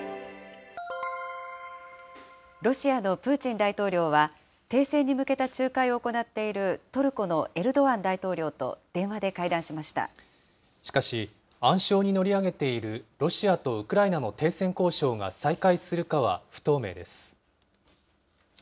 ロシアのプーチン大統領は、停戦に向けた仲介を行っているトルコのエルドアン大統領と電話でしかし、暗礁に乗り上げているロシアとウクライナの停戦交渉が再開するかは不透明です。